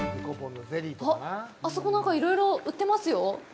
あそこ、何かいろいろ売ってますよ。